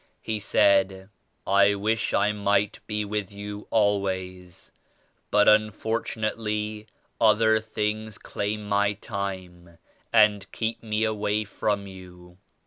He said, "I wish I might be with you always, but unfortunately other Siings claim my time and keep me away from you.